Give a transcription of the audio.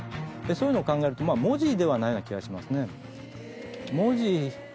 そういうのを考えると文字ではないような気がしますね。